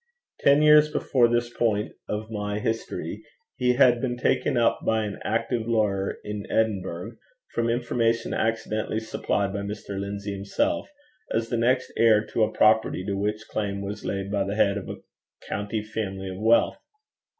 Ten years before this point of my history he had been taken up by an active lawyer in Edinburgh, from information accidentally supplied by Mr. Lindsay himself, as the next heir to a property to which claim was laid by the head of a county family of wealth.